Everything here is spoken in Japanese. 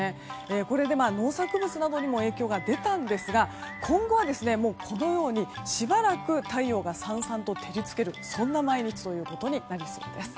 これで農作物などにも影響が出たんですが今後はしばらく太陽がさんさんと照り付けるそんな毎日ということになりそうです。